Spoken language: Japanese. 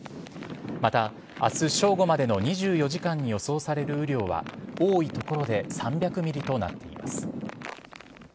また、あす正午までの２４時間に予想される雨量は、多い所で３００ミリとなっています。